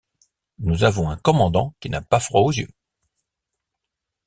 Nous avons un commandant qui n’a pas froid aux yeux !…